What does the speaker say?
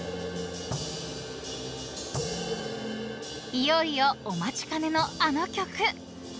［いよいよお待ちかねのあの曲］